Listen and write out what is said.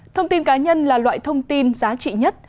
thông tin cá nhân là loại thông tin giá trị nhất